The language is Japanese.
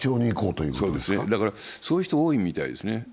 そういう人、多いみたいですね。